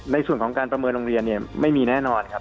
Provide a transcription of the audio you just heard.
ในส่วนของการประเมินโรงเรียนเนี่ยไม่มีแน่นอนครับ